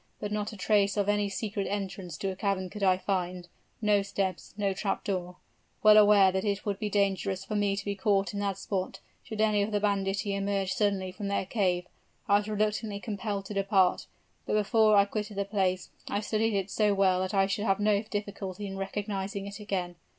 But not a trace of any secret entrance to a cavern could I find no steps, no trap door! Well aware that it would be dangerous for me to be caught in that spot, should any of the banditti emerge suddenly from their cave, I was reluctantly compelled to depart. But before I quitted the place, I studied it so well that I should have no difficulty in recognizing it again.